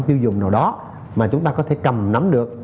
sử dụng nào đó mà chúng ta có thể cầm nắm được